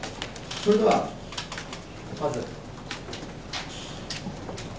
それではまず。